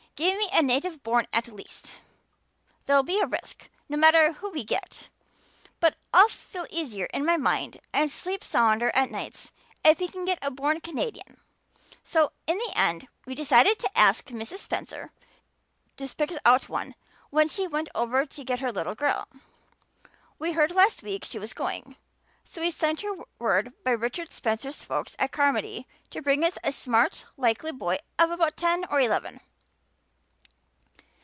'Give me a native born at least. There'll be a risk, no matter who we get. But I'll feel easier in my mind and sleep sounder at nights if we get a born Canadian.' So in the end we decided to ask Mrs. Spencer to pick us out one when she went over to get her little girl. We heard last week she was going, so we sent her word by Richard Spencer's folks at Carmody to bring us a smart, likely boy of about ten or eleven.